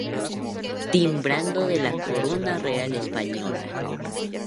Timbrado de la Corona Real Española.